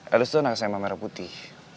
elis tuh anak sma merah putih